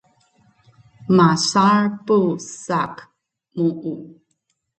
Masalpu saak mu’u